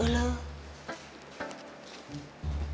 bella lah bella